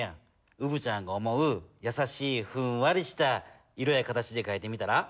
うぶちゃんが思うやさしいふんわりした色や形でかいてみたら？